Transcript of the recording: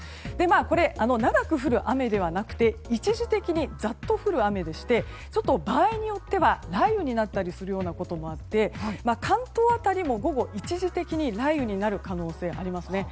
これは、長く降る雨ではなくて一時的にざっと降る雨でして場合によっては雷雨になったりすることもあって関東辺りも午後、一時的に雷雨になる可能性ありますね。